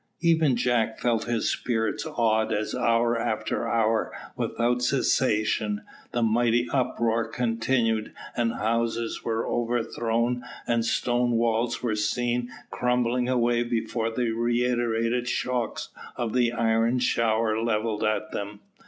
Even Jack felt his spirits awed as hour after hour, without cessation, the mighty uproar continued, and houses were overthrown and strong stone walls were seen crumbling away before the reiterated shocks of the iron shower levelled at them.